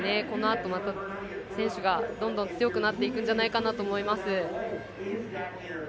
このあと選手がどんどん強くなっていくんじゃないかなと思います。